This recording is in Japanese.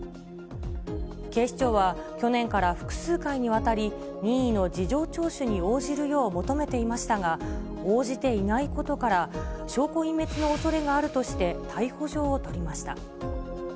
警視庁は、去年から複数回にわたり、任意の事情聴取に応じるよう求めていましたが、応じていないことから、証拠隠滅のおそれがあるとして逮捕状を取りました。